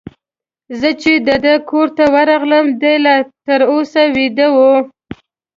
زه چي د ده کور ته ورغلم، دی لا تر اوسه بیده وو.